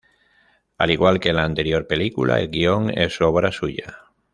Al igual que en la anterior película, el guion es obra suya.